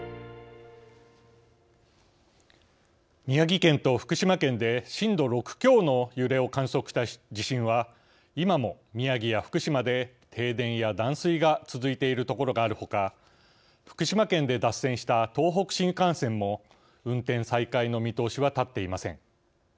宮城県と福島県で震度６強の揺れを観測した地震は今も宮城や福島で停電や断水が続いている所があるほか福島県で脱線した東北新幹線も運転再開の見通しは立っていません。